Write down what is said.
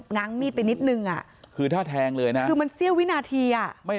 ง้างมีดไปนิดนึงอ่ะคือถ้าแทงเลยนะคือมันเสี้ยววินาทีอ่ะ